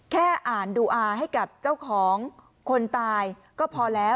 แค่อ่านดูอาให้กับเจ้าของคนตายก็พอแล้ว